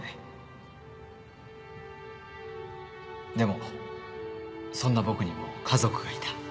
でもそんな僕にも家族がいた